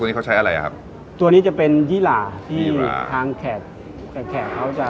ตัวนี้เขาใช้อะไรอ่ะครับตัวนี้จะเป็นที่ทางแขกแขกเขาจะ